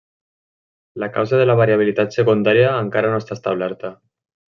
La causa de la variabilitat secundària encara no està establerta.